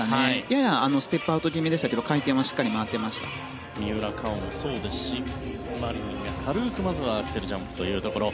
ややステップアウト気味でしたが三浦佳生もそうですしマリニンが軽く、まずはアクセルジャンプというところ。